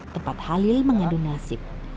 tempat halil mengandung nasib